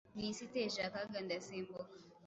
Mu isi iteje akaga ndasimbuka;